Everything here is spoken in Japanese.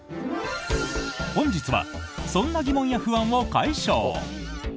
本日はそんな疑問や不安を解消。